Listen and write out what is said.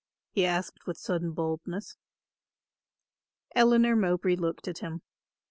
he added with sudden boldness. Eleanor Mowbray looked at him.